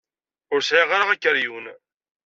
Ur sɛiɣ ara akeryun.